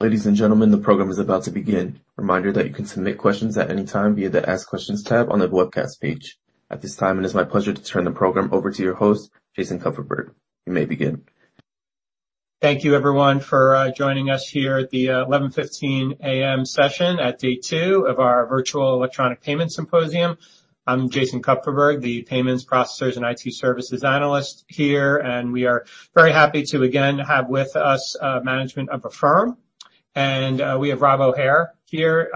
Ladies and gentlemen, the program is about to begin. Reminder that you can submit questions at any time via the Ask Questions tab on the webcast page. At this time, it is my pleasure to turn the program over to your host, Jason Kupferberg. You may begin. Thank you everyone for joining us here at the 11:15 A.M. session at day two of our virtual electronic payment symposium. I'm Jason Kupferberg, the Payments Processors & IT Services analyst here, and we are very happy to again have with us management of Affirm. We have Rob O'Hare here,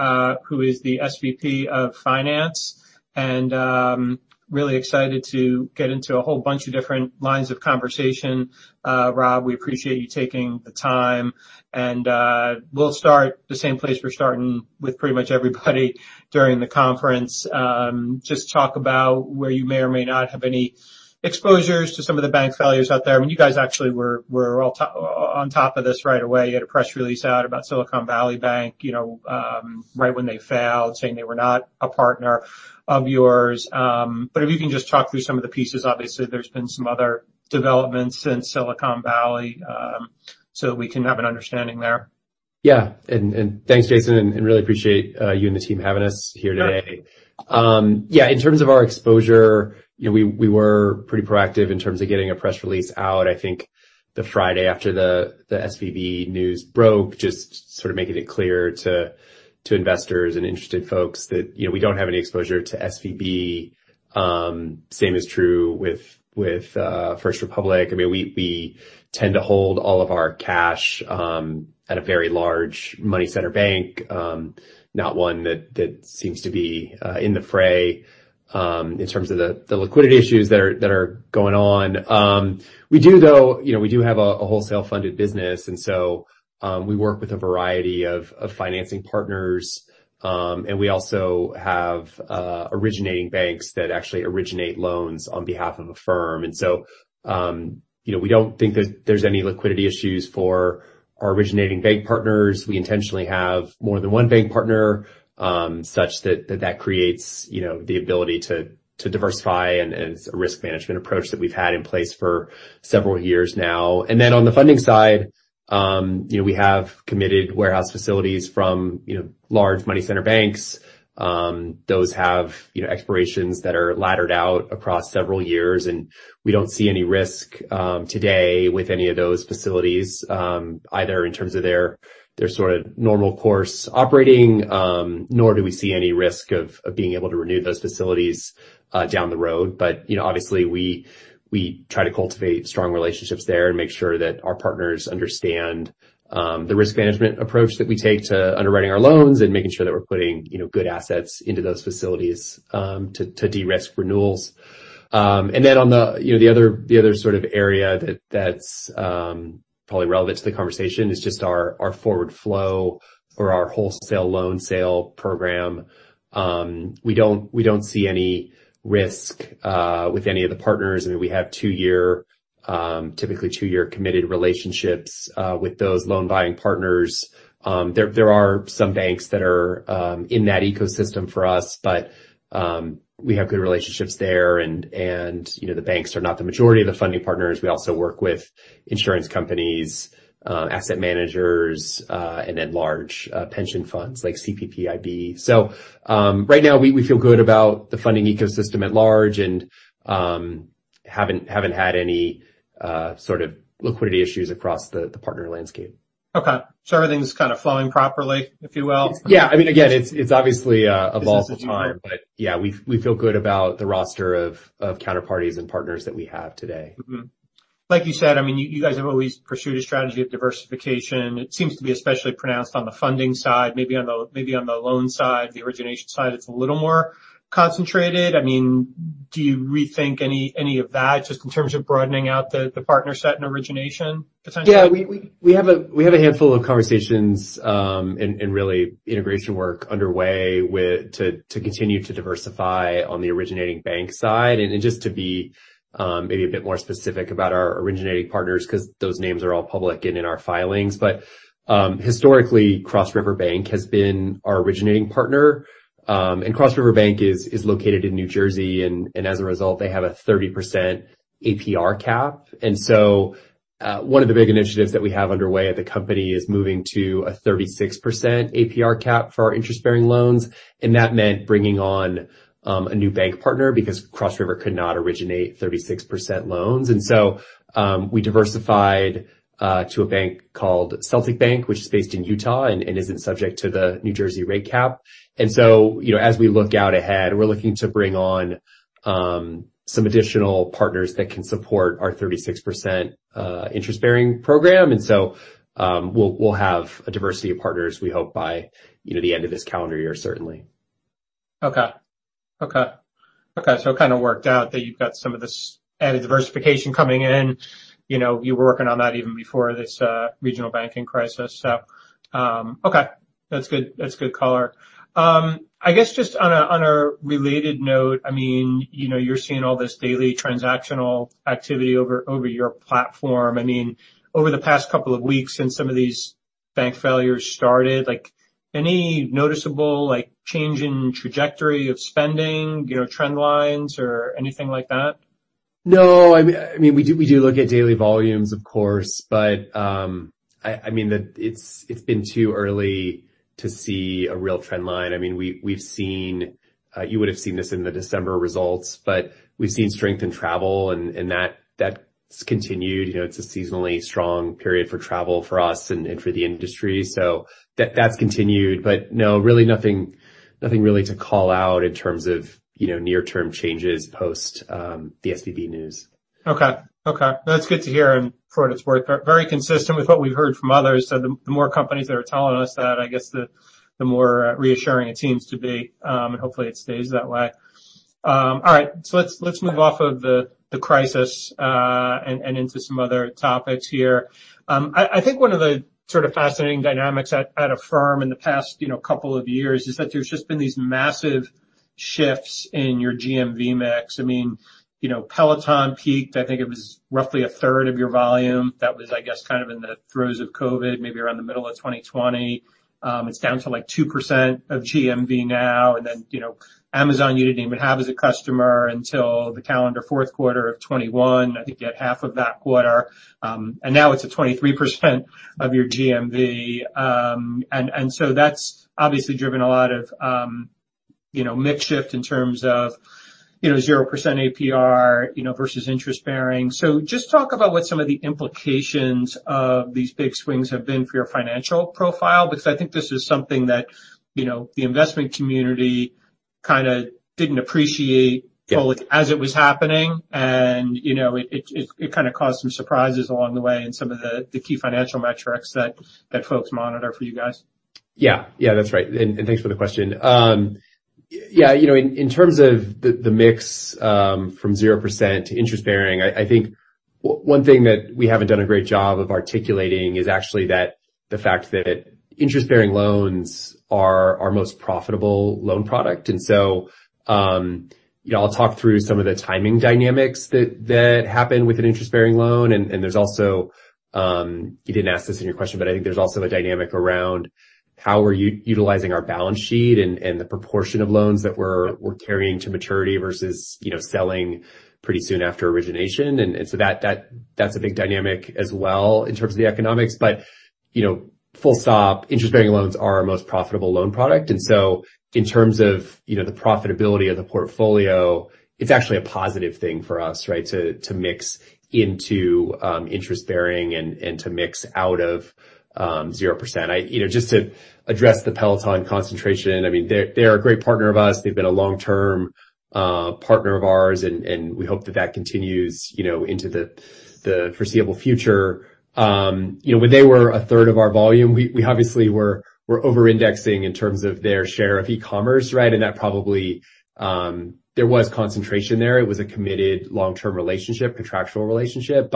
who is the SVP of finance, really excited to get into a whole bunch of different lines of conversation. Rob, we appreciate you taking the time we'll start the same place we're starting with pretty much everybody during the conference. Just talk about where you may or may not have any exposures to some of the bank failures out there. I mean, you guys actually were all on top of this right away. You had a press release out about Silicon Valley Bank, you know, right when they failed, saying they were not a partner of yours. If you can just talk through some of the pieces. Obviously, there's been some other developments since Silicon Valley, that we can have an understanding there. Yeah. Thanks, Jason, and really appreciate you and the team having us here today. Sure. Yeah, in terms of our exposure, you know, we were pretty proactive in terms of getting a press release out, I think the Friday after the SVB news broke, just sort of making it clear to investors and interested folks that, you know, we don't have any exposure to SVB. Same is true with First Republic. I mean, we tend to hold all of our cash at a very large money center bank, not one that seems to be in the fray, in terms of the liquidity issues that are going on. We do though, you know, we do have a wholesale funded business and so, we work with a variety of financing partners, and we also have originating banks that actually originate loans on behalf of Affirm. You know, we don't think that there's any liquidity issues for our originating bank partners. We intentionally have more than one bank partner, such that that creates, you know, the ability to diversify and it's a risk management approach that we've had in place for several years now. On the funding side, you know, we have committed warehouse facilities from, you know, large money center banks. Those have, you know, expirations that are laddered out across several years, and we don't see any risk today with any of those facilities, either in terms of their normal course operating, nor do we see any risk of being able to renew those facilities down the road. You know, obviously, we try to cultivate strong relationships there and make sure that our partners understand the risk management approach that we take to underwriting our loans and making sure that we're putting, you know, good assets into those facilities to de-risk renewals. On the, you know, the other sort of area that that's probably relevant to the conversation is just our forward flow for our wholesale loan sale program. We don't see any risk with any of the partners. I mean, we have two-year, typically two-year committed relationships with those loan buying partners. There are some banks that are in that ecosystem for us, but we have good relationships there and, you know, the banks are not the majority of the funding partners. We also work with insurance companies, asset managers, and then large pension funds like CPPIB. Right now we feel good about the funding ecosystem at large and haven't had any sort of liquidity issues across the partner landscape. Okay. everything's kind of flowing properly, if you will? Yeah. I mean, again, it's obviously, a volatile time- Business as usual. Yeah, we feel good about the roster of counterparties and partners that we have today. Like you said, I mean, you guys have always pursued a strategy of diversification. It seems to be especially pronounced on the funding side. Maybe on the loan side, the origination side, it's a little more concentrated. I mean, do you rethink any of that just in terms of broadening out the partner set and origination potentially? Yeah. We have a handful of conversations and really integration work underway to continue to diversify on the originating bank side. Just to be maybe a bit more specific about our originating partners 'cause those names are all public and in our filings. Historically, Cross River Bank has been our originating partner. Cross River Bank is located in New Jersey, and as a result, they have a 30% APR cap. One of the big initiatives that we have underway at the company is moving to a 36% APR cap for our interest-bearing loans, and that meant bringing on a new bank partner because Cross River could not originate 36% loans. We diversified to a bank called Celtic Bank, which is based in Utah and isn't subject to the New Jersey rate cap. You know, as we look out ahead, we're looking to bring on some additional partners that can support our 36% interest-bearing program. We'll have a diversity of partners, we hope, by, you know, the end of this calendar year, certainly. Okay. Okay. Okay. It kinda worked out that you've got some of this added diversification coming in. You know, you were working on that even before this regional banking crisis. Okay. That's good. That's good color. I guess just on a related note, I mean, you know, you're seeing all this daily transactional activity over your platform. I mean, over the past couple of weeks since some of these bank failures started, like, any noticeable, like, change in trajectory of spending, you know, trend lines or anything like that? No, I mean, we do look at daily volumes, of course. I mean, it's been too early to see a real trend line. I mean, we've seen, you would've seen this in the December results, but we've seen strength in travel, and that's continued. You know, it's a seasonally strong period for travel for us and for the industry. That's continued, but no, really nothing to call out in terms of, you know, near-term changes post the SVB news. Okay. Okay. That's good to hear. For what it's worth, very consistent with what we've heard from others. The more companies that are telling us that, I guess the more reassuring it seems to be, and hopefully it stays that way. All right, let's move off of the crisis and into some other topics here. I think one of the sort of fascinating dynamics at Affirm in the past, you know, couple of years is that there's just been these massive shifts in your GMV mix. I mean, you know, Peloton peaked, I think it was roughly a third of your volume. That was, I guess, kind of in the throes of COVID, maybe around the middle of 2020. It's down to, like, 2% of GMV now. You know, Amazon, you didn't even have as a customer until the calendar fourth quarter of 2021, I think you had half of that quarter. Now it's at 23% of your GMV. And so that's obviously driven a lot of, you know, mix shift in terms of, you know, 0% APR, you know, versus interest-bearing. Just talk about what some of the implications of these big swings have been for your financial profile, because I think this is something that, you know, the investment community kind of didn't appreciate. Yeah. -fully as it was happening. You know, it kinda caused some surprises along the way in some of the key financial metrics that folks monitor for you guys. Yeah, that's right, thanks for the question. Yeah, you know, in terms of the mix, from 0% to interest-bearing, I think one thing that we haven't done a great job of articulating is actually that the fact that interest-bearing loans are our most profitable loan product. You know, I'll talk through some of the timing dynamics that happen with an interest-bearing loan. There's also, you didn't ask this in your question, but I think there's also a dynamic around how we're utilizing our balance sheet and the proportion of loans that we're carrying to maturity versus, you know, selling pretty soon after origination. That's a big dynamic as well in terms of the economics. You know, full stop, interest-bearing loans are our most profitable loan product. In terms of, you know, the profitability of the portfolio, it's actually a positive thing for us, right, to mix into interest-bearing and to mix out of 0%. You know, just to address the Peloton concentration, I mean, they're a great partner of ours. They've been a long-term partner of ours, and we hope that continues, you know, into the foreseeable future. You know, when they were a third of our volume, we obviously were over-indexing in terms of their share of e-commerce, right? There was concentration there. It was a committed long-term relationship, contractual relationship.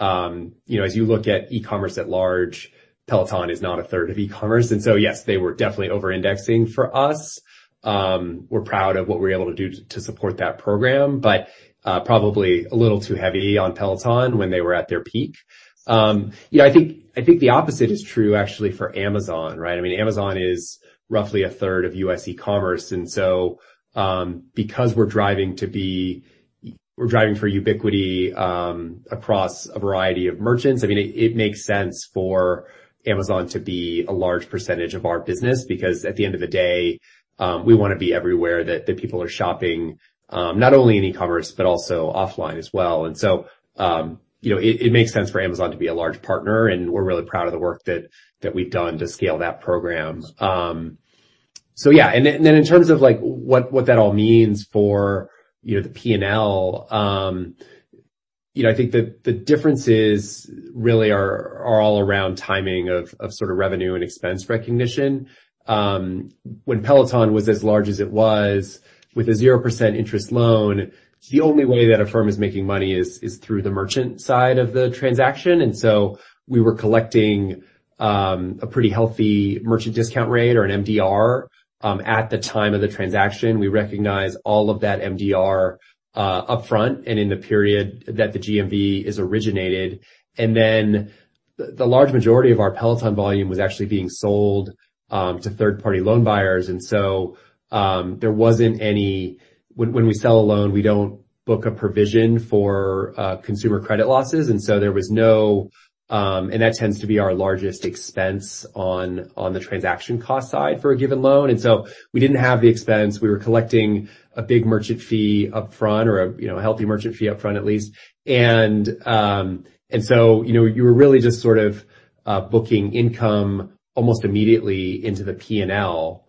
You know, as you look at e-commerce at large, Peloton is not a third of e-commerce. Yes, they were definitely over-indexing for us. We're proud of what we were able to do to support that program, but probably a little too heavy on Peloton when they were at their peak. You know, I think, I think the opposite is true actually for Amazon, right? I mean, Amazon is roughly a third of U.S. e-commerce. Because we're driving for ubiquity across a variety of merchants, I mean, it makes sense for Amazon to be a large percentage of our business because at the end of the day, we wanna be everywhere that people are shopping, not only in e-commerce, but also offline as well. You know, it makes sense for Amazon to be a large partner, and we're really proud of the work that we've done to scale that program. Then in terms of, like, what that all means for, you know, the P&L, you know, I think the differences really are all around timing of sort of revenue and expense recognition. When Peloton was as large as it was with a 0% interest loan, the only way that Affirm is making money is through the merchant side of the transaction. We were collecting a pretty healthy merchant discount rate or an MDR at the time of the transaction. We recognized all of that MDR upfront and in the period that the GMV is originated. The large majority of our Peloton volume was actually being sold to third-party loan buyers. There wasn't any... When we sell a loan, we don't book a provision for consumer credit losses. There was no. That tends to be our largest expense on the transaction cost side for a given loan. We didn't have the expense. We were collecting a big merchant fee upfront or a, you know, healthy merchant fee upfront at least. So, you know, you were really just sort of booking income almost immediately into the P&L.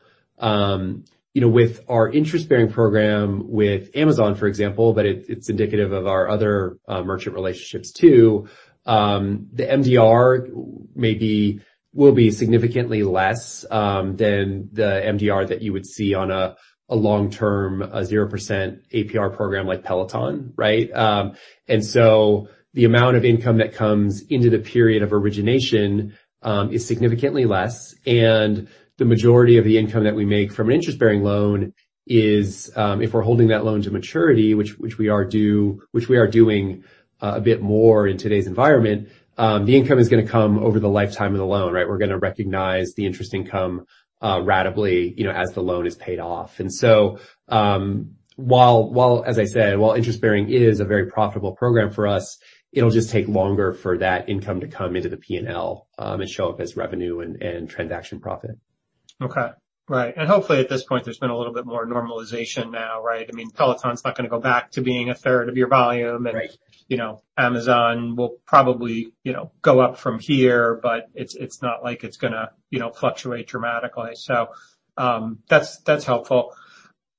You know, with our interest-bearing program with Amazon, for example, but it's indicative of our other merchant relationships too, the MDR maybe will be significantly less than the MDR that you would see on a long-term, 0% APR program like Peloton, right? The amount of income that comes into the period of origination is significantly less. The majority of the income that we make from an interest-bearing loan is if we're holding that loan to maturity, which we are doing a bit more in today's environment, the income is gonna come over the lifetime of the loan, right? We're gonna recognize the interest income ratably, you know, as the loan is paid off. While, as I said, while interest-bearing is a very profitable program for us, it'll just take longer for that income to come into the P&L and show up as revenue and transaction profit. Okay. Right. Hopefully at this point, there's been a little bit more normalization now, right? I mean, Peloton's not gonna go back to being a third of your volume. Right. You know, Amazon will probably, you know, go up from here, but it's not like it's gonna, you know, fluctuate dramatically. That's, that's helpful.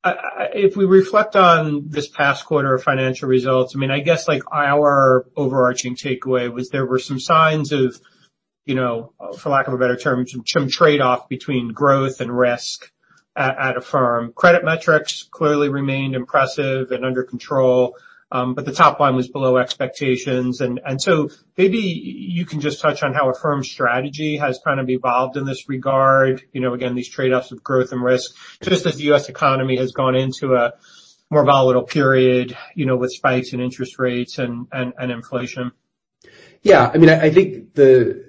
If we reflect on this past quarter of financial results, I mean, I guess, like, our overarching takeaway was there were some signs of, you know, for lack of a better term, some trade-off between growth and risk at Affirm. Credit metrics clearly remained impressive and under control, but the top line was below expectations. Maybe you can just touch on how Affirm's strategy has kind of evolved in this regard, you know, again, these trade-offs with growth and risk, just as the U.S. economy has gone into a more volatile period, you know, with spikes in interest rates and inflation. I mean, I think the...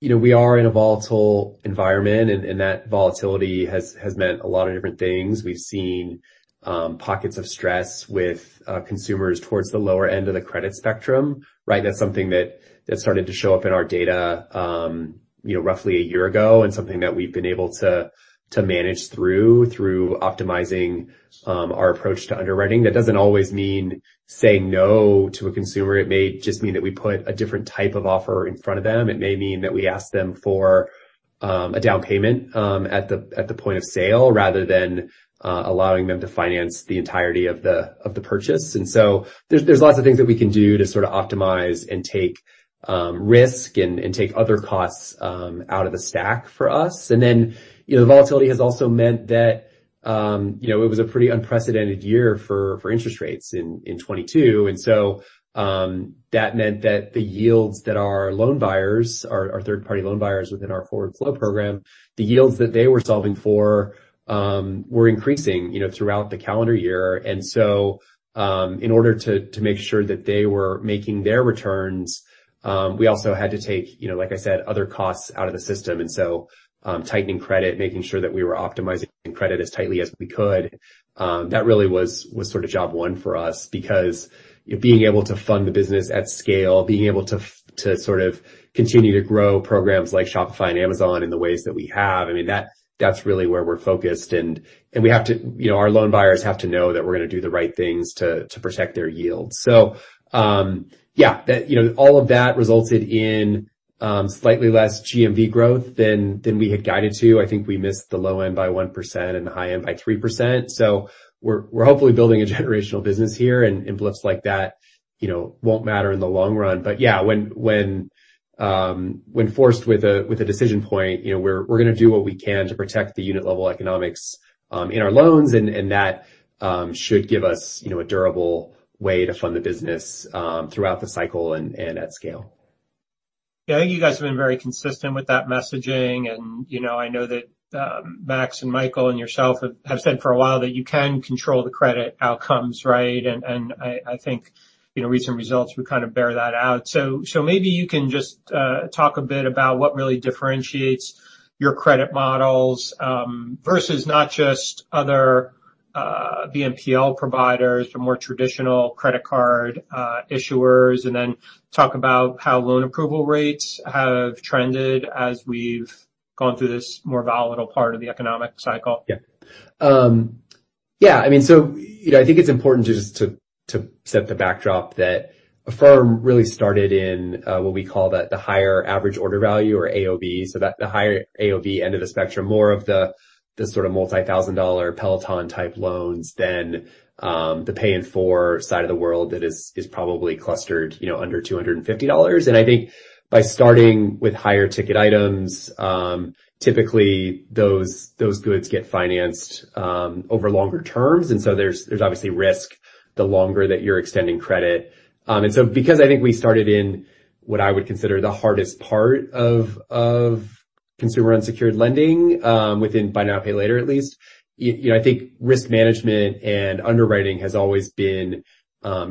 You know, we are in a volatile environment, and that volatility has meant a lot of different things. We've seen pockets of stress with consumers towards the lower end of the credit spectrum, right? That's something that started to show up in our data, you know, roughly a year ago and something that we've been able to manage through optimizing our approach to underwriting. That doesn't always mean saying no to a consumer. It may just mean that we put a different type of offer in front of them. It may mean that we ask them for a down payment at the point of sale rather than allowing them to finance the entirety of the purchase. There's lots of things that we can do to sort of optimize and take risk and take other costs out of the stack for us. You know, the volatility has also meant that, you know, it was a pretty unprecedented year for interest rates in 2022. That meant that the yields that our loan buyers, our third-party loan buyers within our forward flow program, the yields that they were solving for, were increasing, you know, throughout the calendar year. In order to make sure that they were making their returns, we also had to take, you know, like I said, other costs out of the system. tightening credit, making sure that we were optimizing credit as tightly as we could, that really was sort of job one for us because being able to fund the business at scale, being able to sort of continue to grow programs like Shopify and Amazon in the ways that we have, I mean, that's really where we're focused and we have to. You know, our loan buyers have to know that we're gonna do the right things to protect their yields. yeah, that, you know, all of that resulted in slightly less GMV growth than we had guided to. I think we missed the low end by 1% and the high end by 3%. We're hopefully building a generational business here, and blips like that, you know, won't matter in the long run. Yeah, when forced with a decision point, you know, we're gonna do what we can to protect the unit-level economics in our loans and that should give us, you know, a durable way to fund the business throughout the cycle and at scale. Yeah. I think you guys have been very consistent with that messaging. You know, I know that Max and Michael and yourself have said for a while that you can control the credit outcomes, right? I think, you know, recent results would kind of bear that out. Maybe you can just talk a bit about what really differentiates your credit models versus not just other BNPL providers or more traditional credit card issuers, and then talk about how loan approval rates have trended as we've gone through this more volatile part of the economic cycle. I mean, you know, I think it's important just to set the backdrop that Affirm really started in what we call the higher average order value or AOV, the higher AOV end of the spectrum, more of the sort of multi-thousand dollar Peloton-type loans than the Pay in 4 side of the world that is probably clustered, you know, under $250. I think by starting with higher ticket items, typically those goods get financed over longer terms. There's obviously risk the longer that you're extending credit. Because I think we started in what I would consider the hardest part of consumer unsecured lending, within buy now, pay later, at least, you know, I think risk management and underwriting has always been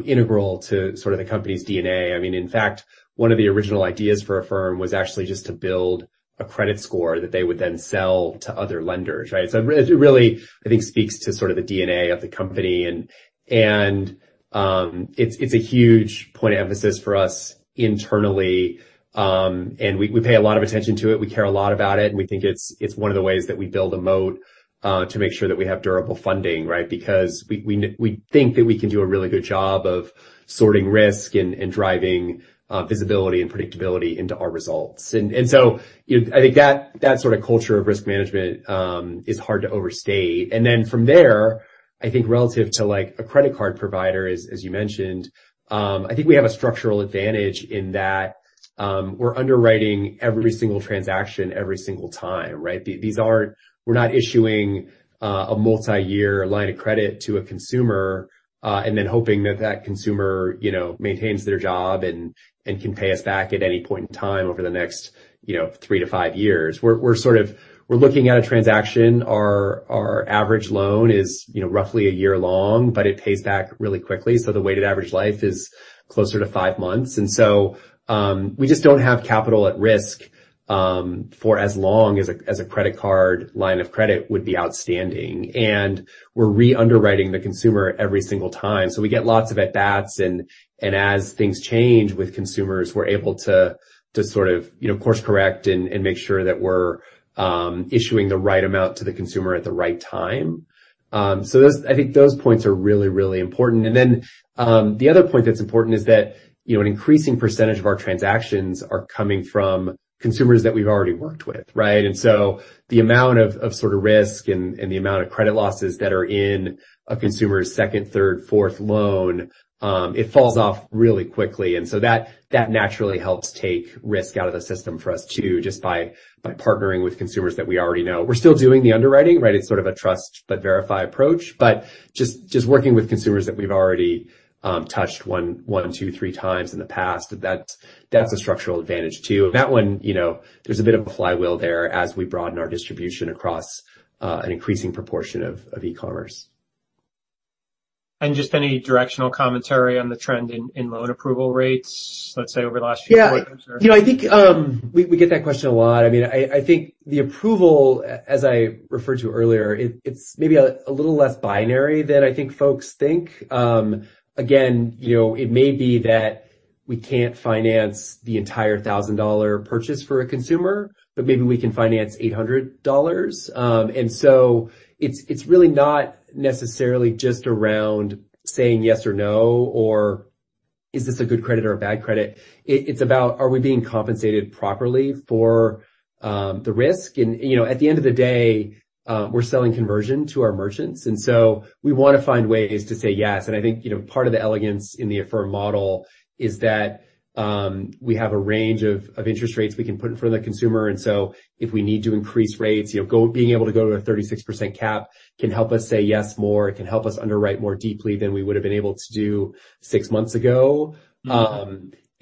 integral to sort of the company's DNA. I mean, in fact, one of the original ideas for Affirm was actually just to build a credit score that they would then sell to other lenders, right? It, it really I think speaks to sort of the DNA of the company and, it's a huge point of emphasis for us internally. We pay a lot of attention to it. We care a lot about it, and we think it's one of the ways that we build a moat to make sure that we have durable funding, right? We think that we can do a really good job of sorting risk and driving visibility and predictability into our results. You know, I think that sort of culture of risk management is hard to overstate. From there, I think relative to, like, a credit card provider, as you mentioned, I think we have a structural advantage in that. We're underwriting every single transaction every single time, right? We're not issuing a multi-year line of credit to a consumer and then hoping that that consumer, you know, maintains their job and can pay us back at any point in time over the next, you know, three to five years. We're looking at a transaction. Our average loan is, you know, roughly 1 year long, but it pays back really quickly, so the weighted average life is closer to 5 months. We just don't have capital at risk for as long as a credit card line of credit would be outstanding. We're re-underwriting the consumer every single time. We get lots of at-bats and as things change with consumers, we're able to sort of, you know, course correct and make sure that we're issuing the right amount to the consumer at the right time. I think those points are really important. The other point that's important is that, you know, an increasing % of our transactions are coming from consumers that we've already worked with, right? The amount of sort of risk and the amount of credit losses that are in a consumer's second, third, fourth loan, it falls off really quickly. That naturally helps take risk out of the system for us too, just by partnering with consumers that we already know. We're still doing the underwriting, right? It's sort of a trust but verify approach. Just working with consumers that we've already, touched one, two, three times in the past, that's a structural advantage too. That one, you know, there's a bit of a flywheel there as we broaden our distribution across an increasing proportion of e-commerce. Just any directional commentary on the trend in loan approval rates, let's say, over the last few quarters? Yeah. You know, I think, we get that question a lot. I mean, I think the approval, as I referred to earlier, it's maybe a little less binary than I think folks think. Again, you know, it may be that we can't finance the entire $1,000 purchase for a consumer, but maybe we can finance $800. It's, it's really not necessarily just around saying yes or no, or is this a good credit or a bad credit? It, it's about are we being compensated properly for, the risk? You know, at the end of the day, we're selling conversion to our merchants, and so we wanna find ways to say yes. I think, you know, part of the elegance in the Affirm model is that we have a range of interest rates we can put in front of the consumer. If we need to increase rates, you know, being able to go to a 36% cap can help us say yes more. It can help us underwrite more deeply than we would've been able to do six months ago.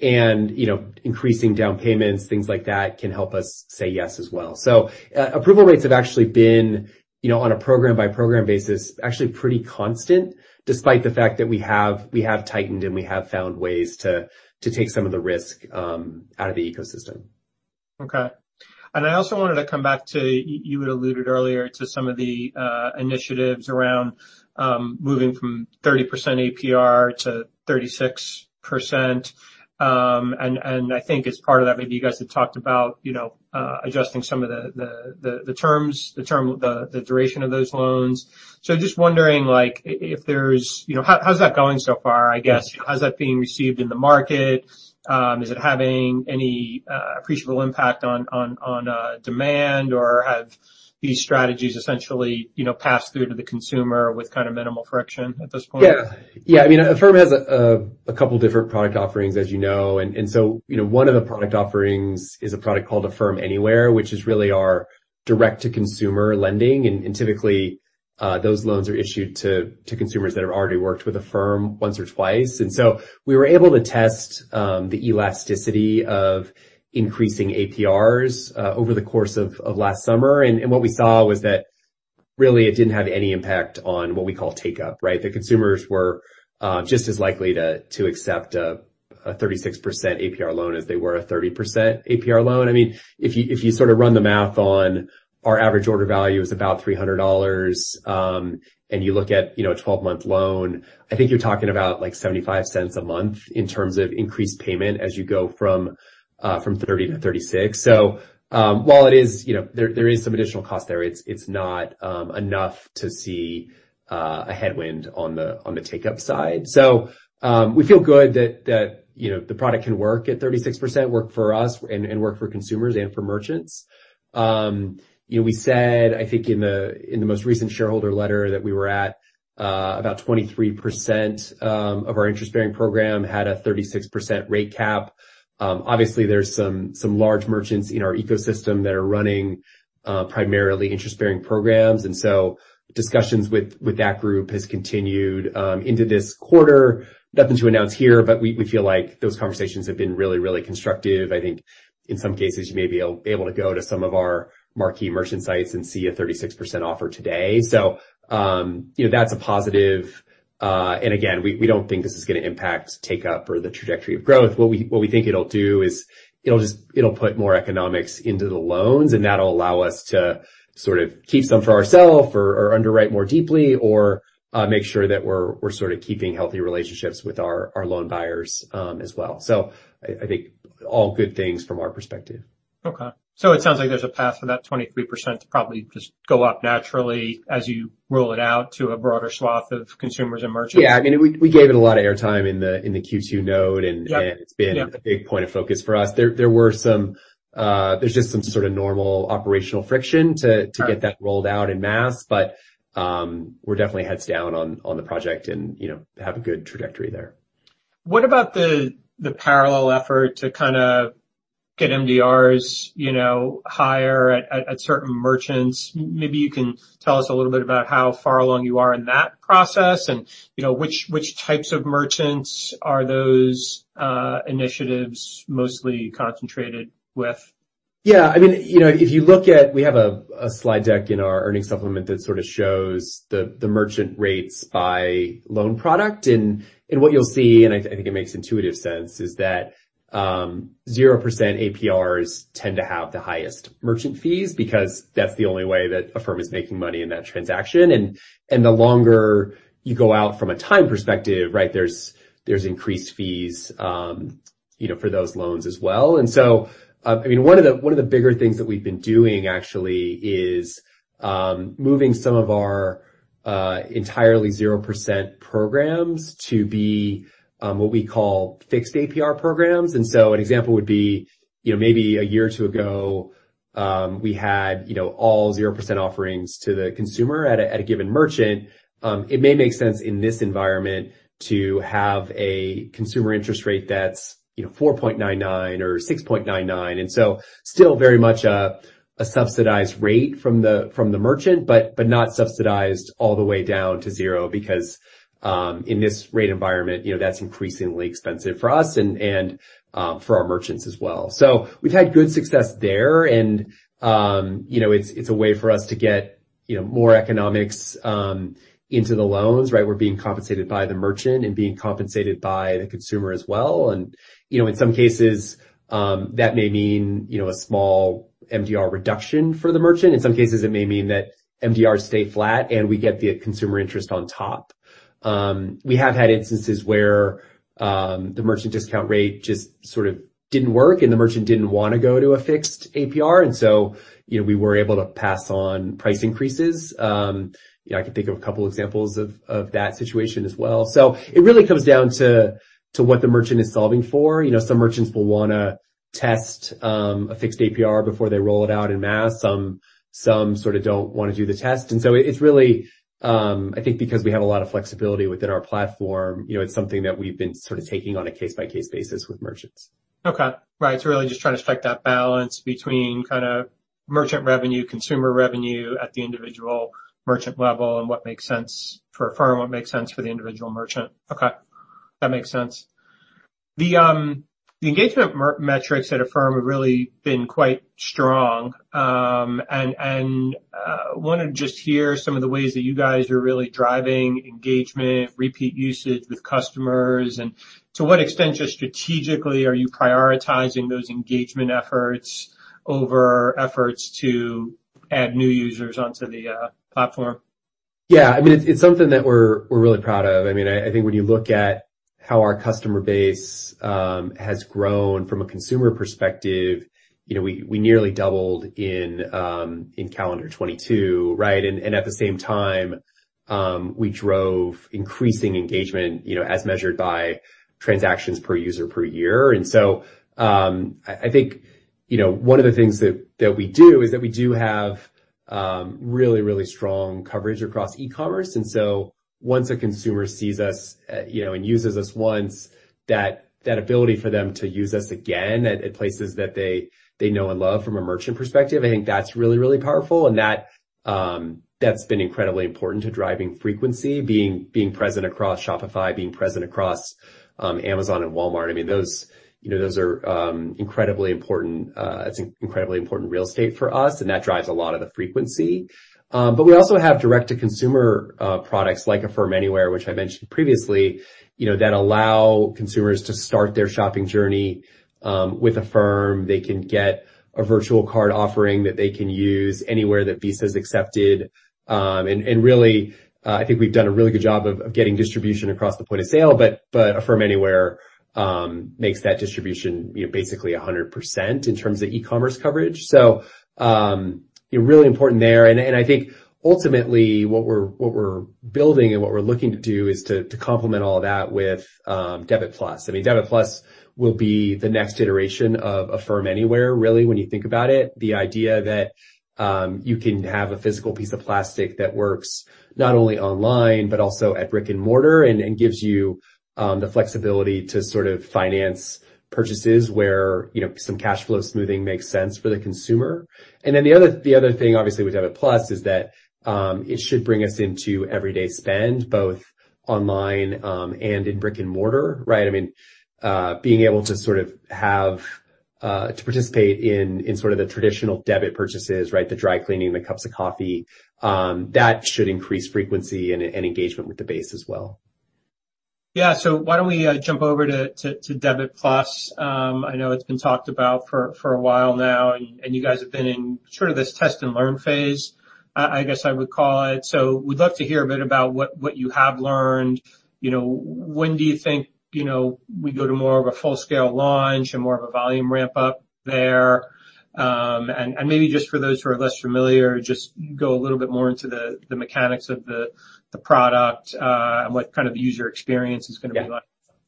And, you know, increasing down payments, things like that, can help us say yes as well. Approval rates have actually been, you know, on a program-by-program basis, actually pretty constant, despite the fact that we have, we have tightened and we have found ways to take some of the risk out of the ecosystem. Okay. I also wanted to come back to, you had alluded earlier to some of the initiatives around moving from 30% APR to 36%. I think as part of that, maybe you guys had talked about, you know, adjusting some of the terms, the duration of those loans. Just wondering, like, you know, how's that going so far, I guess? How's that being received in the market? Is it having any appreciable impact on demand? Or have these strategies essentially, you know, passed through to the consumer with kind of minimal friction at this point? Yeah. I mean, Affirm has a couple different product offerings, as you know. You know, one of the product offerings is a product called Affirm Anywhere, which is really our direct-to-consumer lending. Typically, those loans are issued to consumers that have already worked with Affirm once or twice. We were able to test the elasticity of increasing APRs over the course of last summer. What we saw was that really it didn't have any impact on what we call take-up, right? The consumers were just as likely to accept a 36% APR loan as they were a 30% APR loan. I mean, if you sort of run the math on our average order value is about $300, and you look at, you know, a 12-month loan, I think you're talking about, like, $0.75 a month in terms of increased payment as you go from 30 to 36. While it is, you know, there is some additional cost there, it's not enough to see a headwind on the take-up side. We feel good that, you know, the product can work at 36%, work for us and work for consumers and for merchants. You know, we said, I think in the most recent shareholder letter that we were at about 23% of our interest-bearing program had a 36% rate cap. Obviously, there's some large merchants in our ecosystem that are running primarily interest-bearing programs. Discussions with that group has continued into this quarter. Nothing to announce here, but we feel like those conversations have been really constructive. I think in some cases you may be able to go to some of our marquee merchant sites and see a 36% offer today. You know, that's a positive. Again, we don't think this is gonna impact take-up or the trajectory of growth. What we think it'll do is it'll put more economics into the loans, that'll allow us to sort of keep some for ourself or underwrite more deeply or make sure that we're sort of keeping healthy relationships with our loan buyers as well. I think all good things from our perspective. Okay. It sounds like there's a path for that 23% to probably just go up naturally as you roll it out to a broader swath of consumers and merchants. Yeah. I mean, we gave it a lot of airtime in the Q2 note. Yeah. It's been a big point of focus for us. There's just some sort of normal operational friction to Right. to get that rolled out en masse. We're definitely heads down on the project and, you know, have a good trajectory there. What about the parallel effort to kind of get MDRs, you know, higher at certain merchants? Maybe you can tell us a little bit about how far along you are in that process and, you know, which types of merchants are those initiatives mostly concentrated with. Yeah. I mean, you know, We have a slide deck in our earnings supplement that sort of shows the merchant rates by loan product. What you'll see, and I think it makes intuitive sense, is that 0% APRs tend to have the highest merchant fees because that's the only way that Affirm is making money in that transaction. The longer you go out from a time perspective, right, there's increased fees, you know, for those loans as well. I mean, one of the bigger things that we've been doing actually is moving some of our entirely 0% programs to be what we call fixed APR programs. An example would be, maybe a year or two ago, we had all 0% offerings to the consumer at a given merchant. It may make sense in this environment to have a consumer interest rate that's 4.99 or 6.99. Still very much a subsidized rate from the merchant, but not subsidized all the way down to 0 because in this rate environment, that's increasingly expensive for us and for our merchants as well. We've had good success there and it's a way for us to get more economics into the loans, right? We're being compensated by the merchant and being compensated by the consumer as well. You know, in some cases, that may mean, you know, a small MDR reduction for the merchant. In some cases, it may mean that MDRs stay flat, and we get the consumer interest on top. We have had instances where the merchant discount rate just sort of didn't work, and the merchant didn't wanna go to a fixed APR. So, you know, we were able to pass on price increases. You know, I can think of a couple examples of that situation as well. So it really comes down to what the merchant is solving for. You know, some merchants will wanna test a fixed APR before they roll it out en masse. Some sort of don't wanna do the test. So it's really. I think because we have a lot of flexibility within our platform, you know, it's something that we've been sort of taking on a case-by-case basis with merchants. Okay. Right. Really just trying to strike that balance between kinda merchant revenue, consumer revenue at the individual merchant level and what makes sense for Affirm, what makes sense for the individual merchant. Okay. That makes sense. The engagement metrics at Affirm have really been quite strong. Wanna just hear some of the ways that you guys are really driving engagement, repeat usage with customers. To what extent, just strategically, are you prioritizing those engagement efforts over efforts to add new users onto the platform? Yeah. I mean, it's something that we're really proud of. I mean, I think when you look at how our customer base has grown from a consumer perspective, you know, we nearly doubled in calendar 2022, right? At the same time, we drove increasing engagement, you know, as measured by transactions per user per year. I think, you know, one of the things that we do is that we do have really strong coverage across e-commerce. Once a consumer sees us, you know, and uses us once, that ability for them to use us again at places that they know and love from a merchant perspective, I think that's really, really powerful and that's been incredibly important to driving frequency, being present across Shopify, being present across Amazon and Walmart. I mean, those, you know, those are, incredibly important, it's incredibly important real estate for us, and that drives a lot of the frequency. We also have direct-to-consumer, products like Affirm Anywhere, which I mentioned previously, you know, that allow consumers to start their shopping journey, with Affirm. They can get a virtual card offering that they can use anywhere that Visa is accepted. Really, I think we've done a really good job of getting distribution across the point of sale, Affirm Anywhere makes that distribution, you know, basically 100% in terms of e-commerce coverage. You know, really important there. I think ultimately, what we're, what we're building and what we're looking to do is to complement all of that with Debit+. I mean, Debit+ will be the next iteration of Affirm Anywhere, really, when you think about it. The idea that you can have a physical piece of plastic that works not only online but also at brick-and-mortar gives you the flexibility to sort of finance purchases where, you know, some cash flow smoothing makes sense for the consumer. The other thing, obviously, with Debit+ is that it should bring us into everyday spend, both online, and in brick-and-mortar, right? I mean, being able to sort of have to participate in sort of the traditional debit purchases, right, the dry cleaning, the cups of coffee, that should increase frequency and engagement with the base as well. Yeah. Why don't we jump over to Debit+? I know it's been talked about for a while now, and you guys have been in sort of this test and learn phase, I guess I would call it. We'd love to hear a bit about what you have learned. You know, when do you think, you know, we go to more of a full-scale launch and more of a volume ramp-up there? Maybe just for those who are less familiar, just go a little bit more into the mechanics of the product, and what kind of user experience it's gonna be like.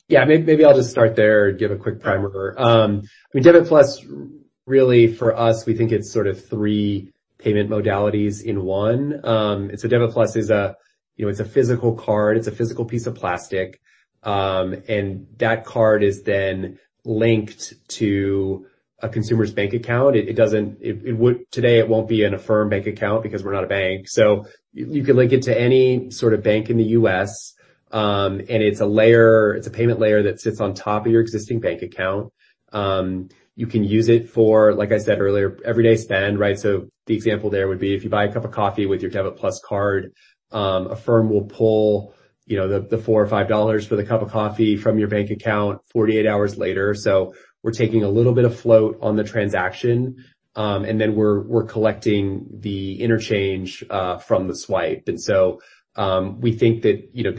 Yeah. Maybe I'll just start there and give a quick primer. I mean, Debit+, really, for us, we think it's sort of three payment modalities in one. Debit+ is a, you know, it's a physical card, it's a physical piece of plastic. That card is then linked to a consumer's bank account. Today it won't be an Affirm bank account because we're not a bank. You can link it to any sort of bank in the U.S., it's a layer, it's a payment layer that sits on top of your existing bank account. You can use it for, like I said earlier, everyday spend, right? The example there would be if you buy a cup of coffee with your Debit+ card, Affirm will pull, you know, the $4 or $5 for the cup of coffee from your bank account 48 hours later. We're taking a little bit of float on the transaction, and then we're collecting the interchange from the swipe. We think that, you know,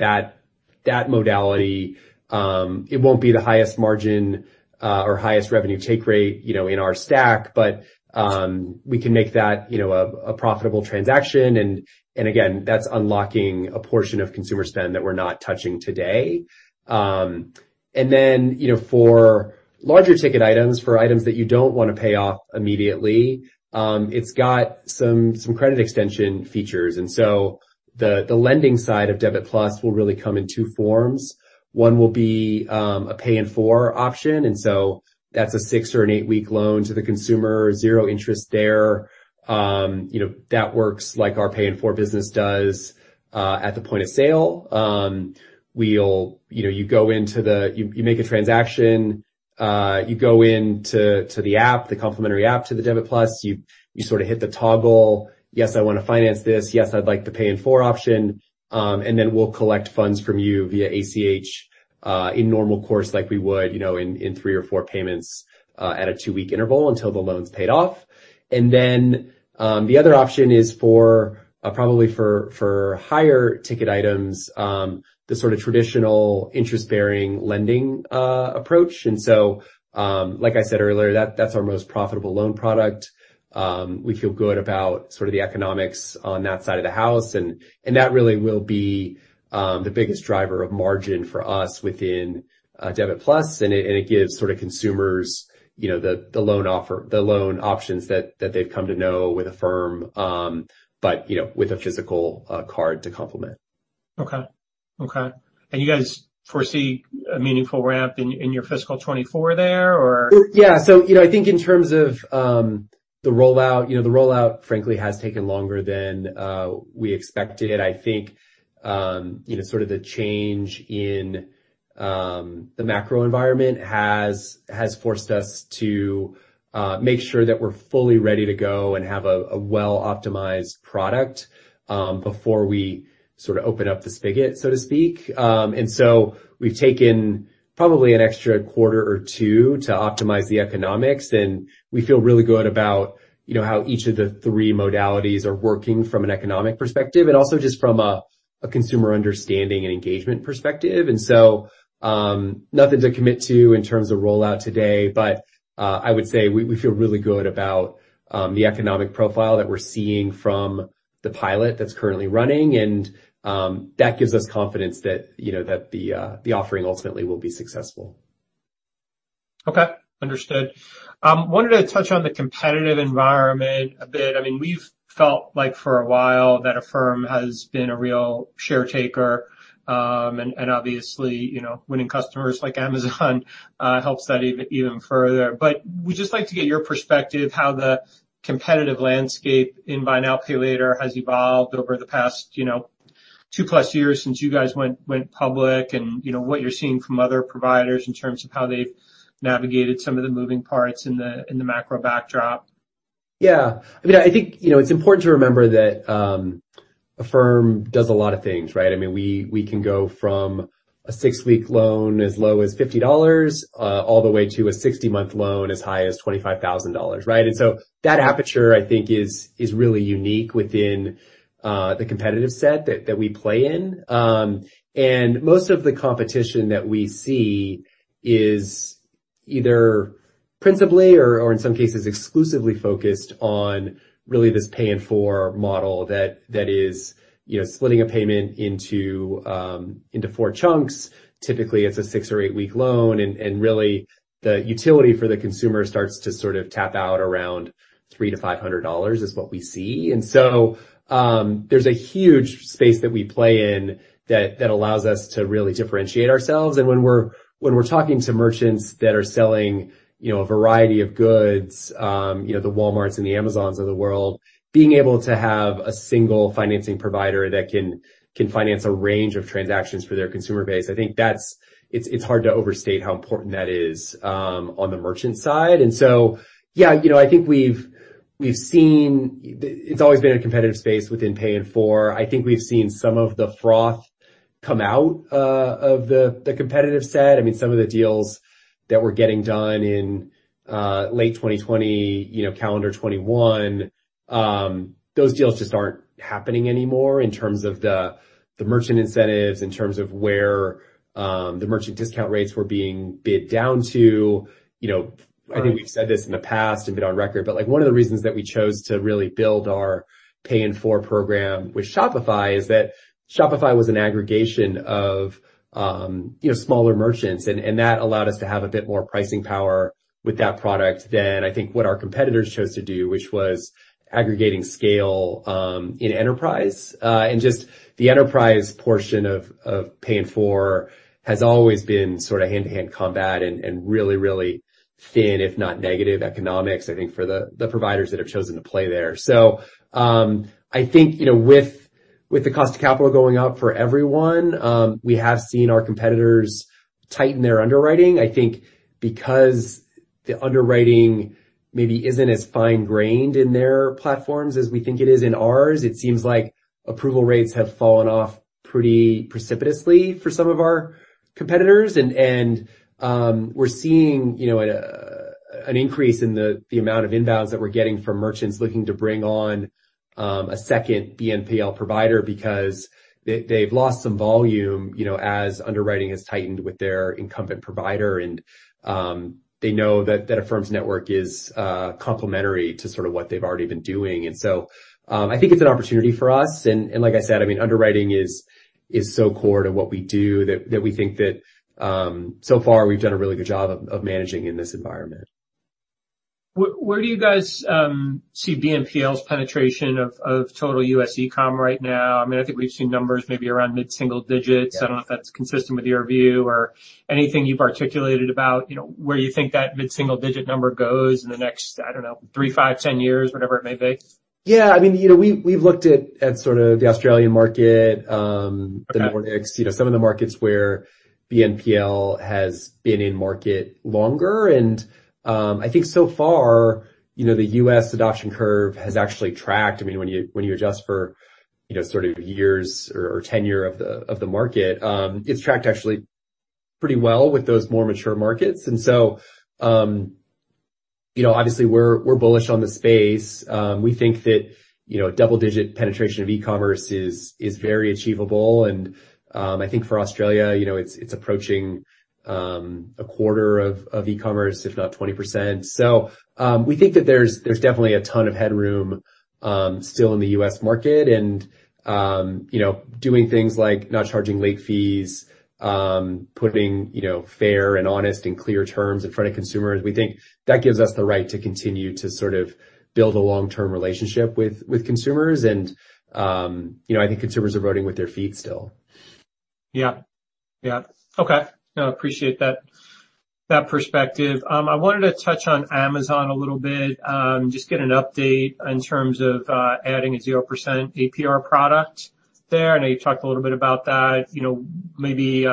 that modality, it won't be the highest margin or highest revenue take rate, you know, in our stack, but we can make that, you know, a profitable transaction and again, that's unlocking a portion of consumer spend that we're not touching today. For larger ticket items, for items that you don't wanna pay off immediately, it's got some credit extension features. The lending side of Debit+ will really come in 2 forms. One will be a Pay in 4 option, that's a 6 or an 8-week loan to the consumer, 0 interest there. You know, that works like our Pay in 4 business does at the point of sale. You know, you go into the app, the complimentary app to the Debit+, you sort of hit the toggle, "Yes, I wanna finance this. Yes, I'd like the Pay in 4 option." Then we'll collect funds from you via ACH in normal course like we would, you know, in 3 or 4 payments at a 2-week interval until the loan's paid off. The other option is for probably for higher ticket items, the sort of traditional interest-bearing lending approach. Like I said earlier, that's our most profitable loan product. We feel good about sort of the economics on that side of the house, and that really will be the biggest driver of margin for us within Debit+. It gives sort of consumers, you know, the loan options that they've come to know with Affirm, but, you know, with a physical card to complement. Okay. Okay. You guys foresee a meaningful ramp in your fiscal 24 there or? Yeah. You know, I think in terms of the rollout, you know, the rollout frankly has taken longer than we expected. I think, you know, sort of the change in the macro environment has forced us to make sure that we're fully ready to go and have a well-optimized product before we sort of open up the spigot, so to speak. We've taken probably an extra quarter or two to optimize the economics, and we feel really good about, you know, how each of the three modalities are working from an economic perspective and also just from a consumer understanding and engagement perspective. Nothing to commit to in terms of rollout today, but I would say we feel really good about the economic profile that we're seeing from the pilot that's currently running, and that gives us confidence that, you know, that the offering ultimately will be successful. Okay. Understood. Wanted to touch on the competitive environment a bit. I mean, we've felt like for a while that Affirm has been a real share taker, and obviously, you know, winning customers like Amazon helps that even further. We'd just like to get your perspective how the competitive landscape in buy now, pay later has evolved over the past, you know, 2-plus years since you guys went public and, you know, what you're seeing from other providers in terms of how they've navigated some of the moving parts in the macro backdrop. Yeah. I mean, I think, you know, it's important to remember that Affirm does a lot of things, right? I mean, we can go from a 6-week loan as low as $50, all the way to a 60-month loan as high as $25,000, right? That aperture, I think, is really unique within the competitive set that we play in. Most of the competition that we see is either principally or in some cases, exclusively focused on really this Pay in 4 model that is, you know, splitting a payment into four chunks. Typically, it's a 6 or 8-week loan, and really the utility for the consumer starts to sort of tap out around $300-$500 is what we see. There's a huge space that we play in that allows us to really differentiate ourselves. When we're talking to merchants that are selling, you know, a variety of goods, you know, the Walmarts and the Amazons of the world, being able to have a single financing provider that can finance a range of transactions for their consumer base, I think it's hard to overstate how important that is on the merchant side. Yeah, you know, I think we've seen. It's always been a competitive space within Pay in 4. I think we've seen some of the froth come out of the competitive set. I mean, some of the deals we're getting done in late 2020, you know, calendar 2021, those deals just aren't happening anymore in terms of the merchant incentives, in terms of where the merchant discount rates were being bid down to. You know, I think we've said this in the past and been on record, but, like, one of the reasons that we chose to really build our Pay in 4 program with Shopify is that Shopify was an aggregation of, you know, smaller merchants, and that allowed us to have a bit more pricing power with that product than I think what our competitors chose to do, which was aggregating scale in enterprise. Just the enterprise portion of Pay in 4 has always been sort of hand-to-hand combat and really, really thin, if not negative economics, I think for the providers that have chosen to play there. I think, you know, with the cost of capital going up for everyone, we have seen our competitors tighten their underwriting. I think because the underwriting maybe isn't as fine-grained in their platforms as we think it is in ours, it seems like approval rates have fallen off pretty precipitously for some of our competitors. We're seeing, you know, an increase in the amount of inbounds that we're getting from merchants looking to bring on a second BNPL provider because they've lost some volume, you know, as underwriting has tightened with their incumbent provider. They know that Affirm's network is, complementary to sort of what they've already been doing. I think it's an opportunity for us. Like I said, I mean, underwriting is so core to what we do that we think that, so far we've done a really good job of managing in this environment. Where do you guys see BNPL's penetration of total U.S. e-com right now? I mean, I think we've seen numbers maybe around mid-single digits. Yeah. I don't know if that's consistent with your view or anything you've articulated about, you know, where you think that mid-single digit number goes in the next, I don't know, 3, 5, 10 years, whatever it may be. Yeah. I mean, you know, we've looked at sort of the Australian market. Okay... the Nordics, you know, some of the markets where BNPL has been in market longer. I think so far, you know, the U.S. adoption curve has actually tracked. I mean, when you, when you adjust for, you know, sort of years or tenure of the market, it's tracked actually pretty well with those more mature markets. obviously we're bullish on the space. We think that, you know, double-digit penetration of e-commerce is very achievable. I think for Australia, you know, it's approaching a quarter of e-commerce, if not 20%. We think that there's definitely a ton of headroom, still in the US market and, you know, doing things like not charging late fees, putting, you know, fair and honest and clear terms in front of consumers, we think that gives us the right to continue to sort of build a long-term relationship with consumers. You know, I think consumers are voting with their feet still. Yeah. Yeah. Okay. No, appreciate that perspective. I wanted to touch on Amazon a little bit, just get an update in terms of adding a 0% APR product there. I know you talked a little bit about that. You know, maybe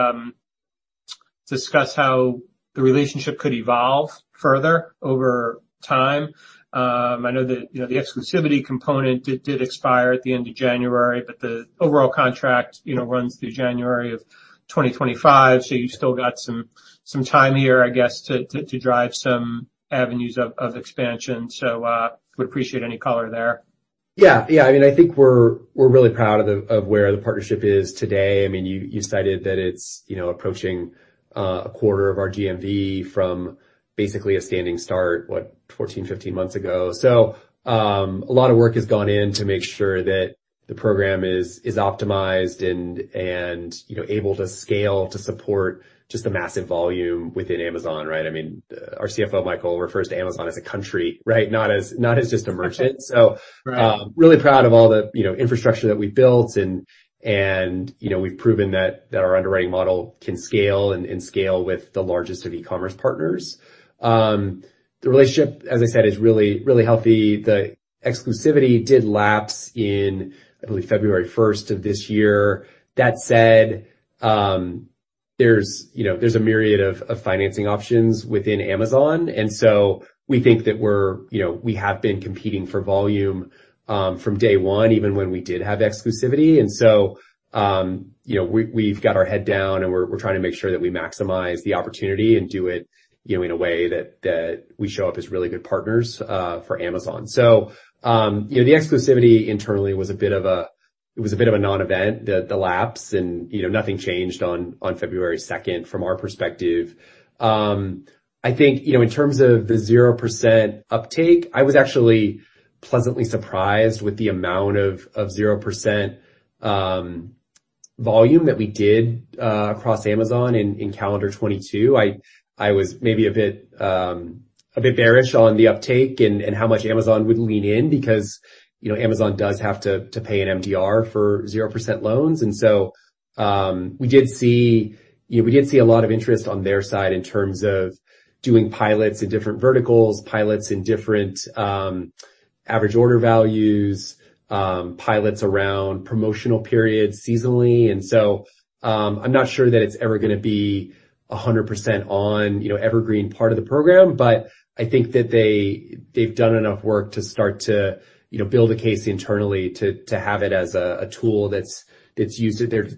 discuss how the relationship could evolve further over time. I know that, you know, the exclusivity component did expire at the end of January, but the overall contract, you know, runs through January of 2025, you still got some time here, I guess, to drive some avenues of expansion. Would appreciate any color there. Yeah. Yeah. I mean, I think we're really proud of where the partnership is today. I mean, you cited that it's, you know, approaching a quarter of our GMV from basically a standing start, what? 14, 15 months ago. A lot of work has gone in to make sure that the program is optimized and, you know, able to scale to support just the massive volume within Amazon, right? I mean, our CFO, Michael, refers to Amazon as a country, right? Not as just a merchant. Right. Really proud of all the, you know, infrastructure that we've built and, you know, we've proven that our underwriting model can scale and scale with the largest of e-commerce partners. The relationship, as I said, is really, really healthy. The exclusivity did lapse in, I believe, February first of this year. That said, there's, you know, there's a myriad of financing options within Amazon, and so we think that, you know, we have been competing for volume from day one, even when we did have exclusivity. You know, we've got our head down, and we're trying to make sure that we maximize the opportunity and do it, you know, in a way that we show up as really good partners for Amazon. You know, the exclusivity internally was a bit of a, it was a bit of a non-event, the lapse and, you know, nothing changed on February 2nd from our perspective. I think, you know, in terms of the 0% take-up, I was actually pleasantly surprised with the amount of 0% volume that we did across Amazon in calendar 2022. I was maybe a bit bearish on the take-up and how much Amazon would lean in because, you know, Amazon does have to pay an MDR for 0% loans. You know, we did see a lot of interest on their side in terms of doing pilots in different verticals, pilots in different average order values, pilots around promotional periods seasonally. I'm not sure that it's ever gonna be 100% on, you know, evergreen part of the program, but I think that they've done enough work to start to, you know, build a case internally to have it as a tool that's used at their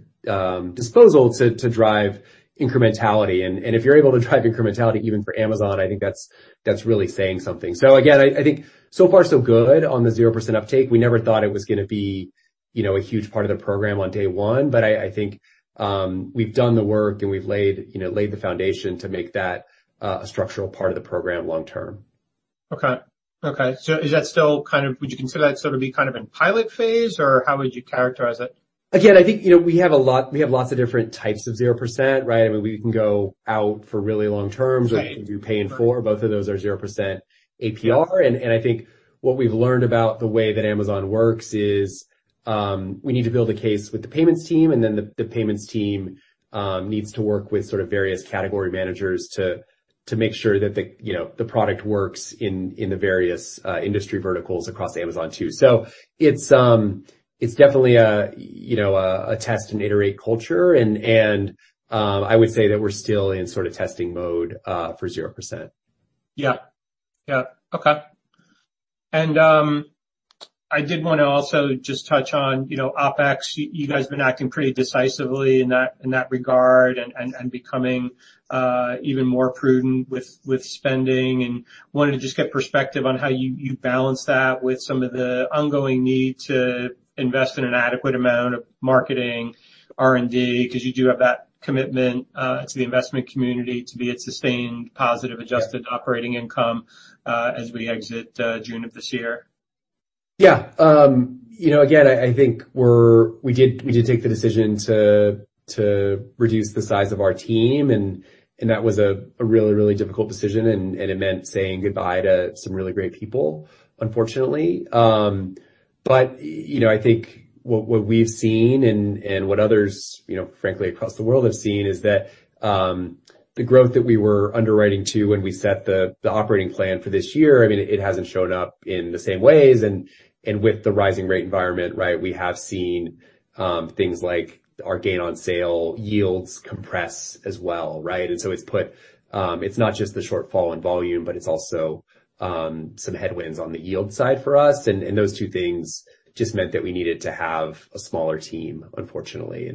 disposal to drive incrementality. If you're able to drive incrementality even for Amazon, I think that's really saying something. Again, I think so far so good on the 0% uptake. We never thought it was gonna be, you know, a huge part of the program on day 1, but I think we've done the work and we've laid, you know, laid the foundation to make that a structural part of the program long term. Okay. Okay. Would you consider that sort of be kind of in pilot phase, or how would you characterize it? Again, I think, you know, we have lots of different types of 0%, right? I mean, we can go out for really long terms. Right. We can do pay in full. Both of those are 0% APR. I think what we've learned about the way that Amazon works is, we need to build a case with the payments team, and then the payments team needs to work with sort of various category managers to make sure that the, you know, the product works in the various industry verticals across Amazon too. It's definitely a, you know, a test and iterate culture. I would say that we're still in sort of testing mode for 0%. Yeah. Yeah. Okay. I did wanna also just touch on, you know, OpEx. You guys have been acting pretty decisively in that regard and becoming even more prudent with spending. Wanted to just get perspective on how you balance that with some of the ongoing need to invest in an adequate amount of marketing, R&D, 'cause you do have that commitment to the investment community to be at sustained positive adjusted operating income as we exit June of this year. Yeah. You know, again, I think we did take the decision to reduce the size of our team and that was a really, really difficult decision, and it meant saying goodbye to some really great people, unfortunately. You know, I think what we've seen and what others, you know, frankly, across the world have seen is that, the growth that we were underwriting to when we set the operating plan for this year, I mean, it hasn't shown up in the same ways. With the rising rate environment, right, we have seen, things like our gain on sale yields compress as well, right? It's put... It's not just the shortfall in volume, but it's also, some headwinds on the yield side for us. Those two things just meant that we needed to have a smaller team, unfortunately.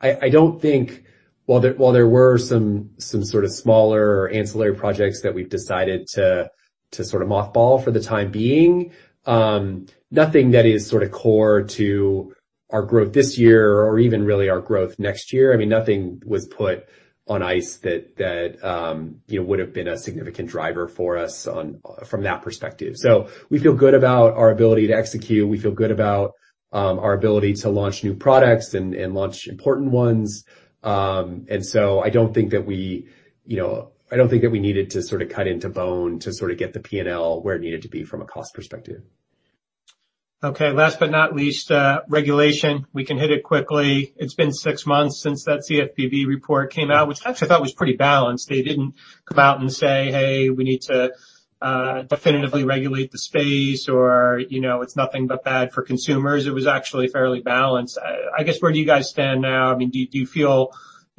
I don't think, while there were some sort of smaller ancillary projects that we've decided to sort of mothball for the time being, nothing that is sort of core to our growth this year or even really our growth next year. I mean, nothing was put on ice that, you know, would've been a significant driver for us from that perspective. We feel good about our ability to execute, we feel good about our ability to launch new products and launch important ones. I don't think that we, you know, I don't think that we needed to sort of cut into bone to sort of get the P&L where it needed to be from a cost perspective. Okay. Last but not least, regulation. We can hit it quickly. It's been 6 months since that CFPB report came out, which I actually thought was pretty balanced. They didn't come out and say, "Hey, we need to, definitively regulate the space," or, you know, "It's nothing but bad for consumers." It was actually fairly balanced. I guess, where do you guys stand now? I mean, do you feel, you know,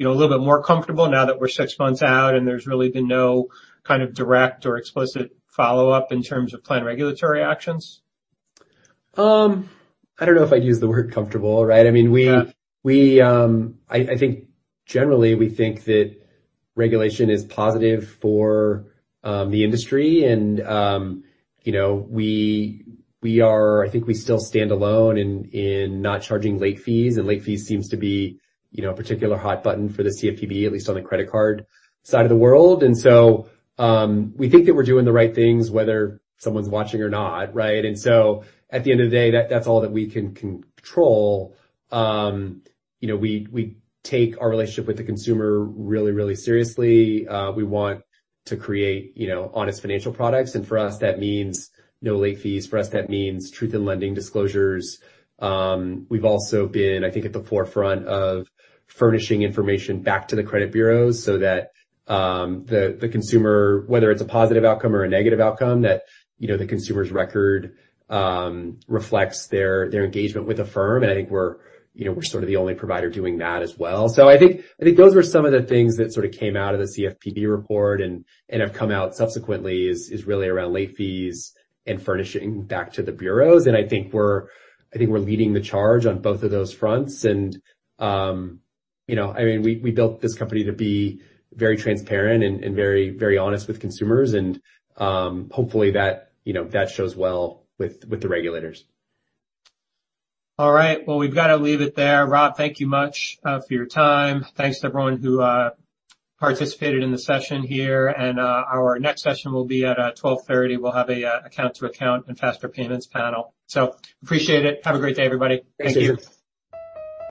a little bit more comfortable now that we're 6 months out and there's really been no kind of direct or explicit follow-up in terms of planned regulatory actions? I don't know if I'd use the word comfortable, right? I mean. Yeah. We, I think generally, we think that regulation is positive for the industry and you know, I think we still stand alone in not charging late fees. Late fees seems to be, you know, a particular hot button for the CFPB, at least on the credit card side of the world. We think that we're doing the right things, whether someone's watching or not, right? At the end of the day, that's all that we can control. You know, we take our relationship with the consumer really, really seriously. We want to create, you know, honest financial products, and for us, that means no late fees. For us, that means Truth in Lending disclosures. We've also been, I think, at the forefront of furnishing information back to the credit bureaus so that the consumer, whether it's a positive outcome or a negative outcome, that, you know, the consumer's record reflects their engagement with Affirm. I think we're, you know, we're sort of the only provider doing that as well. I think those were some of the things that sort of came out of the CFPB report and have come out subsequently is really around late fees and furnishing back to the bureaus. I think we're leading the charge on both of those fronts. You know, I mean, we built this company to be very transparent and very, very honest with consumers and hopefully that, you know, that shows well with the regulators. All right. Well, we've got to leave it there. Rob, thank you much for your time. Thanks to everyone who participated in the session here, and our next session will be at 12:30 P.M. We'll have a account-to-account and faster payments panel. Appreciate it. Have a great day, everybody. Thank you. Thank you.